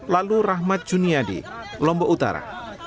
lalu rahmat juniadi lombok utara